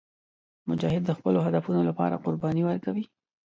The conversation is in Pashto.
مجاهد د خپلو هدفونو لپاره قرباني ورکوي.